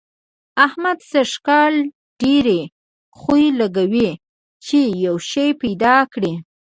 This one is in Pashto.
احمد سږ کال ډېرې خوې لګوي چي يو شی پيدا کړي.